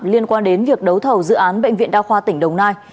liên quan đến việc đấu thầu dự án bệnh viện đa khoa tỉnh đồng nai